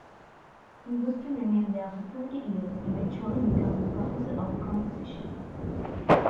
He was to remain there for thirty years, eventually becoming Professor of Composition.